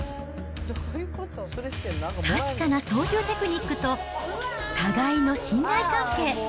確かな操縦テクニックと、互いの信頼関係。